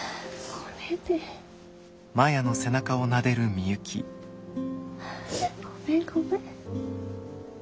ごめんごめん。